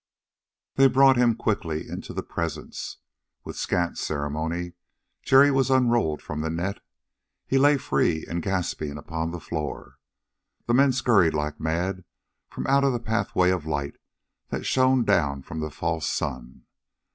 They brought him quickly into the presence. With scant ceremony Jerry was unrolled from the net; he lay free and gasping upon the floor. The men scurried like mad from out the pathway of light that shone down from the false sun.